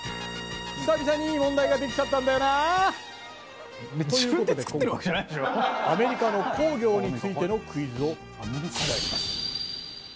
久々にいい問題が出来ちゃったんだよな！ということで今回はアメリカの工業についてのクイズを出題します！